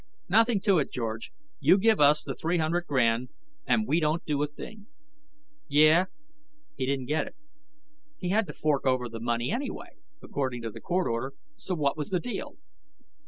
"Nothing to it, George. You give us the three hundred grand and we don't do a thing." "Yeah?" He didn't get it. He had to fork over the money anyway, according to the court order, so what was the deal?